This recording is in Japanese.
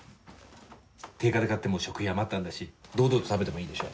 定価で買っても食費余ったんだし堂々と食べてもいいでしょ？